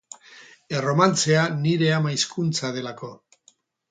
Erromantzea nire ama hizkuntza delako.